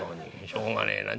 しょうがねえな。